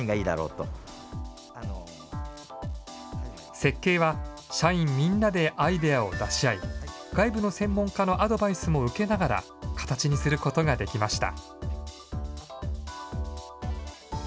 設計は、社員みんなでアイデアを出し合い、外部の専門家のアドバイスも受けながら、形にすることができました。